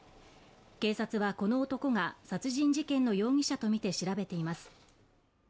警察は、この男が殺人事件の容疑者とみて調べています。